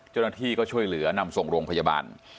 เจ้าหน้าที่ก็ช่วยเหลือนำส่งโรงพยาบาล